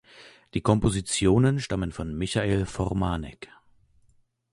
Die Kompositionen stammen von Michael Formanek.